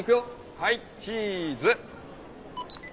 はいチーズ。